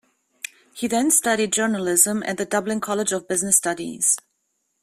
He then studied journalism at the Dublin College of Business Studies.